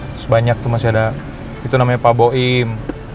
terus banyak tuh masih ada itu namanya pak boim